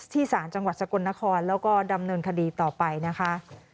สารจังหวัดสกลนครแล้วก็ดำเนินคดีต่อไปนะคะ